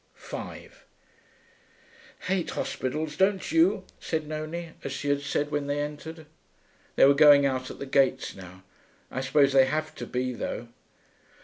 5 'Hate hospitals, don't you?' said Nonie, as she had said when they entered. They were going out at the gates now. 'I suppose they have to be, though.'